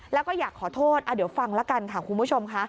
แล้วก็อยากขอโทษเดี๋ยวฟังละกันค่ะคุณผู้ชมค่ะ